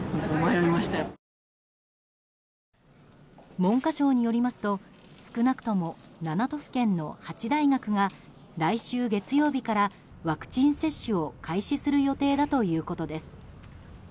文科省によりますと少なくとも７都府県の８大学が来週月曜日からワクチン接種を開始する予定だということです。